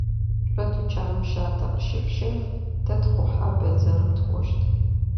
Шъо тучаным щатэ къыщышъущэф, тэ тхъухьэ бэдзэрым тыкӏощт.